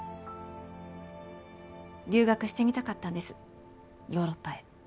留学してみたかったんですヨーロッパへ。